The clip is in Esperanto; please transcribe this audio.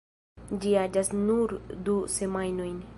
Ĝi aĝas nur du semajnojn.